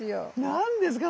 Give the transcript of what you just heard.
何ですか？